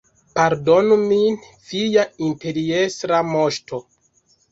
Pardonu min, Via Imperiestra Moŝto!